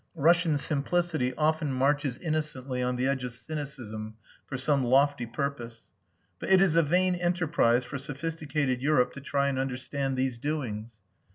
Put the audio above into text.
Russian simplicity often marches innocently on the edge of cynicism for some lofty purpose. But it is a vain enterprise for sophisticated Europe to try and understand these doings.